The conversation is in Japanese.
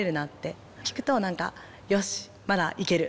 聴くと「よしまだいける」。